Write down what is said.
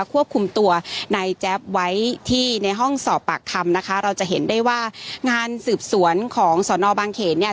ควบคุมตัวในแจ๊บไว้ที่ในห้องสอบปากคำนะคะเราจะเห็นได้ว่างานสืบสวนของสอนอบางเขนเนี่ย